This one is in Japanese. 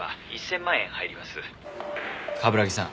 冠城さん